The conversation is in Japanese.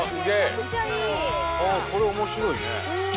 これ面白いね。